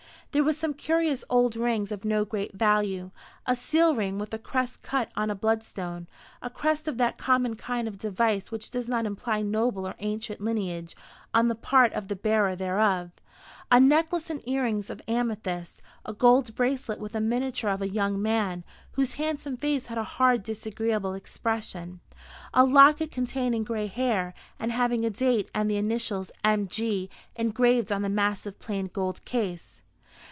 There were some curious old rings, of no great value; a seal ring with a crest cut on a bloodstone a crest of that common kind of device which does not imply noble or ancient lineage on the part of the bearer thereof; a necklace and earrings of amethyst; a gold bracelet with a miniature of a young man, whose handsome face had a hard disagreeable expression; a locket containing grey hair, and having a date and the initials "M.G." engraved on the massive plain gold case.